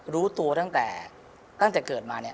รู้ตัวตั้งแต่เกิดมา